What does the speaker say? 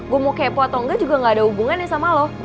gue mau kepo atau enggak juga gak ada hubungannya sama lo